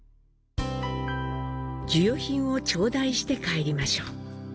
授与品をちょうだいして帰りましょう。